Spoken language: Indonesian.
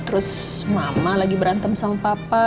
terus mama lagi berantem sama papa